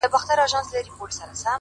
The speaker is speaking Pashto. ماخو ستا غمونه ځوروي گلي _